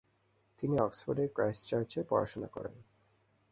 তিনি অক্সফোর্ডের ক্রাইস্ট চার্চে পড়াশুনা করেন।